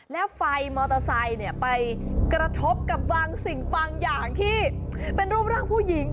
แล้วไฟมอเตอร์ไซค์ไปกระทบกับบางสิ่งบางอย่างที่เป็นรูปร่างผู้หญิง